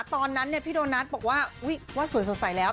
ตอนนั้นพี่โดนัทบอกว่าว่าสวยสดใสแล้ว